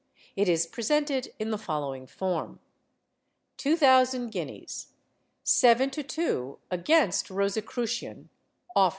It is presented in the following form:— TWO THOUSAND GUINEAS. 7 to 2 against Rosicrucian (off.).